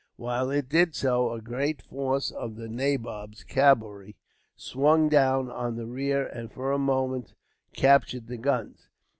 While it did so, a great force of the nabob's cavalry swept down on the rear, and for a moment captured the guns.